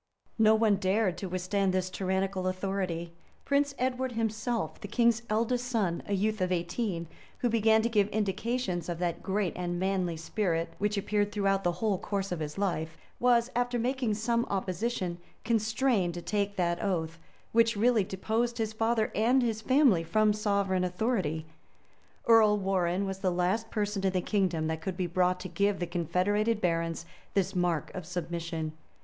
[*]* Chron. T. Wykes, p. 52. No one dared to withstand this tyrannical authority: Prince Edward himself, the king's eldest son, a youth of eighteen, who began to give indications of that great and manly spirit which appeared throughout the whole course of his life, was, after making some opposition, constrained to take that oath, which really deposed his father and his family from sovereign authority.[*] Earl Warrenne was the last person in the kingdom that could be brought to give the confederated barons this mark of submission.